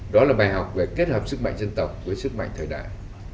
đó là bài học về kết hợp sức mạnh dân tộc với sức mạnh thời đại